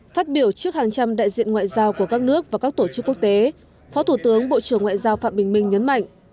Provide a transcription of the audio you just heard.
phát biểu trước hàng trăm đại diện ngoại giao của các nước và các tổ chức quốc tế phó thủ tướng bộ trưởng ngoại giao phạm bình minh nhấn mạnh